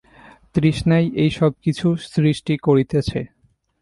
তৃষ্ণাই এই সব-কিছু সৃষ্টি করিতেছে।